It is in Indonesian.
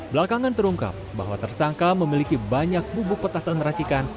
belakangan terungkap bahwa tersangka memiliki banyak bubuk petasan racikan